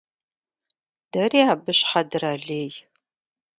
Дэри абы щхьэ дралей.